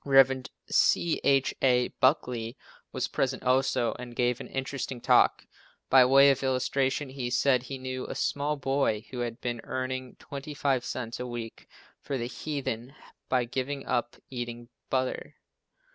Rev. C. H. A. Buckley was present also and gave an interesting talk. By way of illustration, he said he knew a small boy who had been earning twenty five cents a week for the heathen by giving up eating butter.